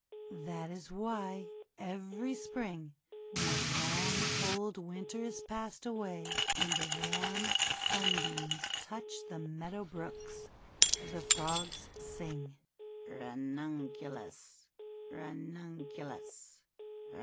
That is why every Spring, when the long cold Winter is passed away, and the warm Sunbeams touch the meadow brooks, the Frogs sing: — "Ranunculus! Ranunculus